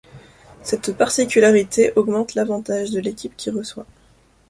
Cette particularité augmente l'avantage de l'équipe qui reçoit.